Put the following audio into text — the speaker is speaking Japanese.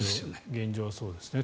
現状はそうですね。